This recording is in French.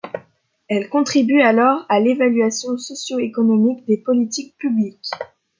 Elles contribuent alors à l’évaluation socio-économique des politiques publiques.